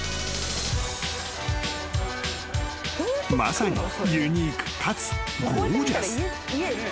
［まさにユニークかつゴージャス］